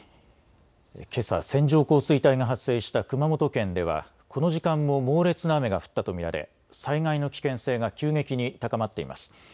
けさ線状降水帯が発生した熊本県ではこの時間も猛烈な雨が降ったと見られ災害の危険性が急激に高まっています。